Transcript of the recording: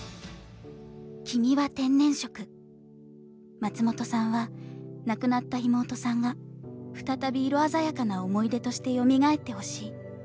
松本さんは亡くなった妹さんが再び色鮮やかな思い出としてよみがえってほしい。